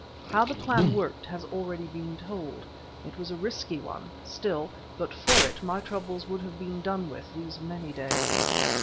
How the plan worked has already been told; it was a risky one; still, but for it my troubles would have been done with these many days.